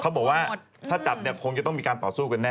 เขาบอกว่าถ้าจับเนี่ยคงจะต้องมีการต่อสู้กันแน